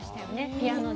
ピアノで。